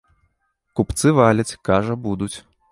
Купцы валяць, кажа, будуць.